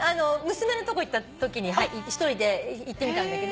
娘のとこ行ったときに１人で行ってみたんだけど三重じゃない！